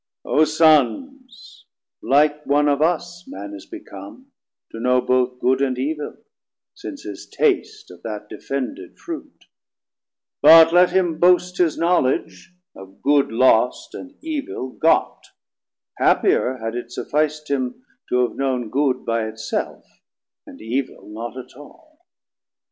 O Sons, like one of us Man is become To know both Good and Evil, since his taste Of that defended Fruit; but let him boast His knowledge of Good lost, and Evil got, Happier, had it suffic'd him to have known Good by it self, and Evil not at all.